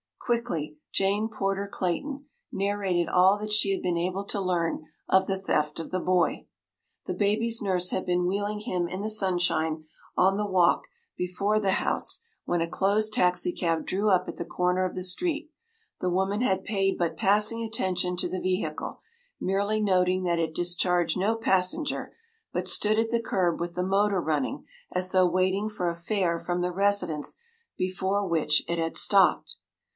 Quickly Jane Porter Clayton narrated all that she had been able to learn of the theft of the boy. The baby’s nurse had been wheeling him in the sunshine on the walk before the house when a closed taxicab drew up at the corner of the street. The woman had paid but passing attention to the vehicle, merely noting that it discharged no passenger, but stood at the kerb with the motor running as though waiting for a fare from the residence before which it had stopped.